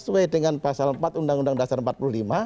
sesuai dengan pasal empat undang undang dasar empat puluh lima